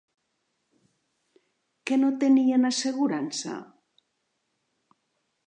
Que no tenien assegurança?